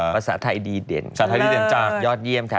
ภาษาไทยดีเด่นภาษาไทยดีเด่นจากยอดเยี่ยมค่ะ